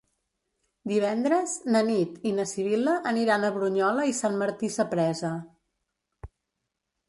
Divendres na Tanit i na Sibil·la aniran a Brunyola i Sant Martí Sapresa.